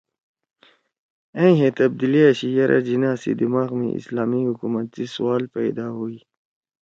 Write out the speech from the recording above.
ائں ہے تبدیلی آشی یرأ جناح سی دماغ می اسلامی حکومت سی سوال پیدا ہُوئی